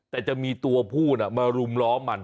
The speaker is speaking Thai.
แต่จะมีตัวผู้มารุมล้อมัน